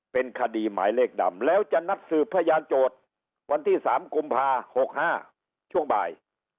เป็นคดีหมายเลขดำแล้วจะนัดสืบพยานโจทย์วันที่๓กุมภา๖๕ช่วงบ่าย